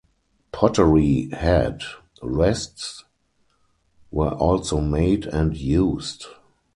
Pottery head rests were also made and used.